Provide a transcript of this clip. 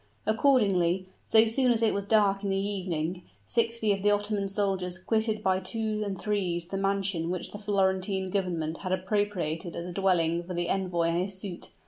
Accordingly, so soon as it was dark in the evening, sixty of the Ottoman soldiers quitted by two and threes the mansion which the Florentine Government had appropriated as a dwelling for the envoy and his suit.